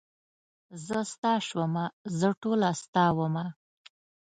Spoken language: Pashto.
زه ستا شومه زه ټوله ستا ومه.